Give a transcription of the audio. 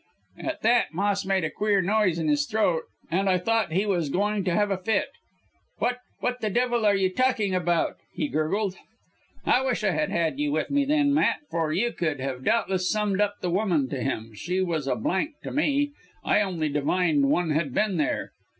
"At that Moss made a queer noise in his throat, and I thought he was going to have a fit. 'What what the devil are you talking about?' he gurgled. "'I wish I had had you with me then, Matt, for you could have doubtless summed up the woman to him she was a blank to me I only divined one had been there.